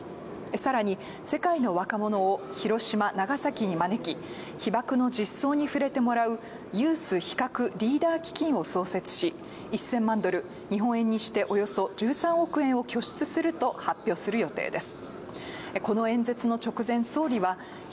さらに世界の若者を広島・長崎に招き被爆の実相に触れてもらうユース非核リーダー基金を創設し、１０００万ドル、日本円にしておよそ１３億円を拠出すると発表する予定です。